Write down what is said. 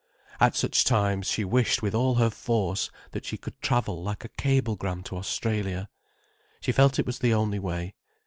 At such times she wished with all her force that she could travel like a cablegram to Australia. She felt it was the only way.